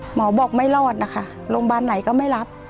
หมอบอกไม่รอดนะคะโรงพยาบาลไหนก็ไม่รับ